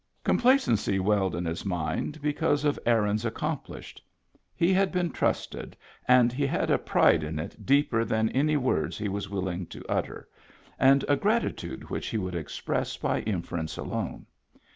Complacency welled in his mind because of errands accomplished. He had been trusted, and he had a pride in it deeper than any words he was willing to utter, and a gratitude which he would express by inference alone.